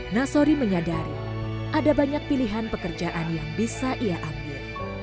nasori menyadari ada banyak pilihan pekerjaan yang bisa ia ambil